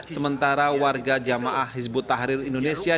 sementara warga jamaah hizbut tahrir indonesia